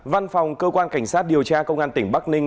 văn phòng cơ quan cảnh sát điều tra công an tỉnh bắc ninh